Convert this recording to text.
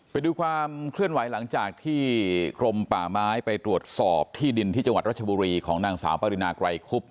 ไปดูความเคลื่อนไหวหลังจากที่กรมป่าไม้ไปตรวจสอบที่ดินที่จังหวัดรัชบุรีของนางสาวปรินาไกรคุบ